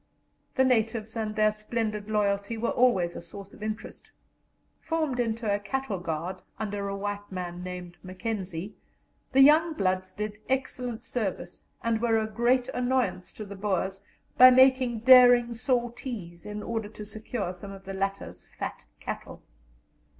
The natives and their splendid loyalty were always a source of interest. Formed into a "cattle guard," under a white man named Mackenzie, the young bloods did excellent service, and were a great annoyance to the Boers by making daring sorties in order to secure some of the latter's fat cattle.